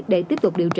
để tiếp tục điều trị